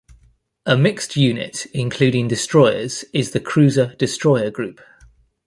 A mixed unit including destroyers is the cruiser-destroyer group.